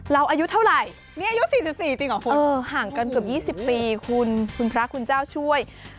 เราอายุเท่าไหร่ห่างกันเกือบ๒๐ปีคุณพระคุณเจ้าช่วย